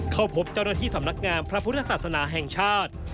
เข้าพบเจ้าหน้าที่สำนักงานพระพุทธศาสนาแห่งชาติ